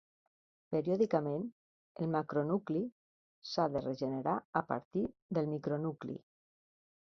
Periòdicament, el macronucli s'ha de regenerar a partir del micronucli.